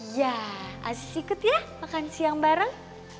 ya aziz ikut ya makan siang bareng